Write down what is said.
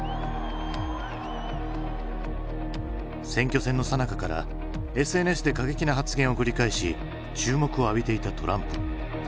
選挙戦のさなかからＳＮＳで過激な発言を繰り返し注目を浴びていたトランプ。